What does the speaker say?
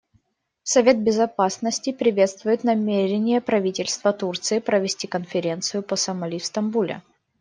Совет Безопасности приветствует намерение правительства Турции провести конференцию по Сомали в Стамбуле.